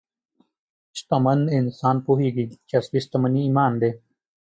شتمن انسان پوهېږي چې اصلي شتمني ایمان دی.